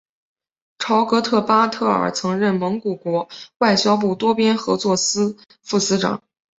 朝格特巴特尔曾任蒙古国外交部多边合作司副司长。